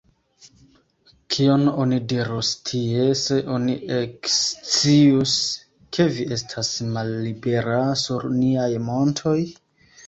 Kion oni dirus tie, se oni ekscius, ke vi estas mallibera sur niaj montoj?